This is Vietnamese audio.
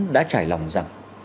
đã trải lòng rằng